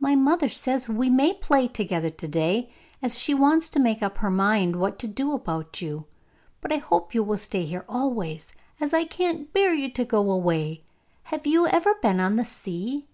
'My mother says we may play together to day, as she wants to make up her mind what to do about you. But I hope you will stay here always, as I can't bear you to go away. Have you ever been on the sea?